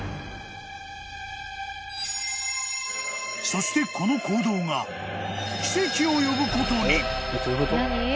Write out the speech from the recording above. ［そしてこの行動が奇跡を呼ぶことに！］